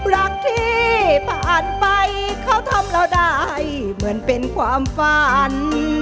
รักที่ผ่านไปเขาทำเราได้เหมือนเป็นความฝัน